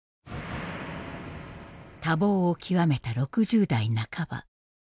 多忙を極めた６０代半ば。